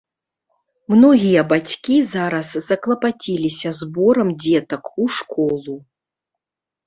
Многія бацькі зараз заклапаціліся зборам дзетак у школу.